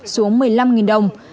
xuống một mươi năm đồng